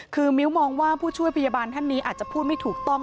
คือมิ้วมองว่าผู้ช่วยพยาบาลท่านนี้อาจจะพูดไม่ถูกต้อง